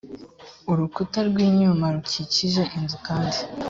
urukuta rw inyuma rukikije inzu kandi